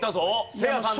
せいやさんだ。